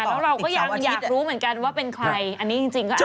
แล้วเราก็ยังอยากรู้เหมือนกันว่าเป็นใครอันนี้จริงก็